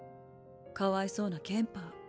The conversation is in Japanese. かわいそうなケンパー。